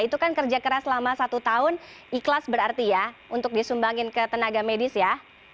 itu kan kerja keras selama satu tahun ikhlas berarti ya untuk disumbangin ke tenaga medis ya